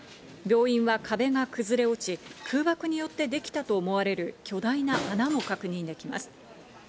病院は壁が崩れ落ち、空爆によってできたと思われる巨大な穴も確認できます。